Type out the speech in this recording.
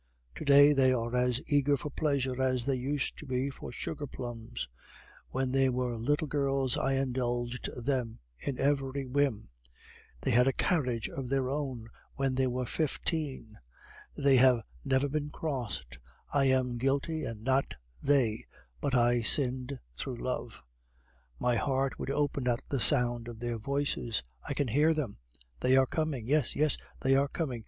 To day they are as eager for pleasure as they used to be for sugar plums. When they were little girls I indulged them in every whim. They had a carriage of their own when they were fifteen. They have never been crossed. I am guilty, and not they but I sinned through love. "My heart would open at the sound of their voices. I can hear them; they are coming. Yes! yes! they are coming.